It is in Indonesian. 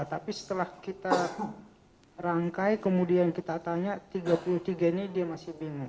tapi setelah kita rangkai kemudian kita tanya tiga puluh tiga ini dia masih bingung